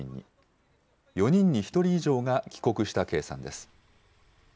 ４人に１人以上が帰国した計算です。